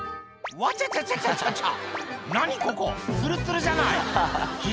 「わちゃちゃちゃちゃちゃちゃ」